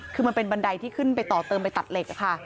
คือมันเป็นบันไดที่ขึ้นไปต่อเติมไปตัดเหล็กค่ะ